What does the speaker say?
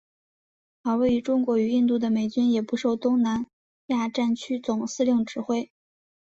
而位于中国与印度的美军也不受到东南亚战区总司令指挥。